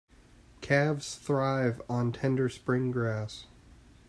Calves thrive on tender spring grass.